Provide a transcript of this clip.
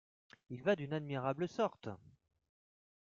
Il va d’une admirable sorte !